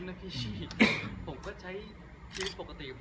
ไม่มีไบแรปนะพี่